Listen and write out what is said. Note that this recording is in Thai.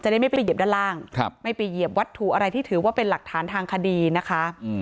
ได้ไม่ไปเหยียบด้านล่างไม่ไปเหยียบวัตถุอะไรที่ถือว่าเป็นหลักฐานทางคดีนะคะ